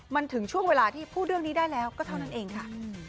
มันถึงช่วงเวลาที่พูดเรื่องนี้ได้แล้วก็เท่านั้นเองค่ะ